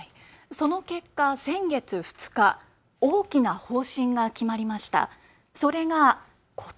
その結果、先月２日大きな方針が決まりました。